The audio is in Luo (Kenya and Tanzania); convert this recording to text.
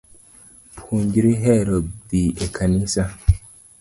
Puonjri hero dhii e kanisa